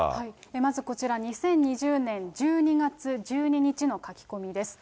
まずこちら２０２０年１２月１２日の書き込みです。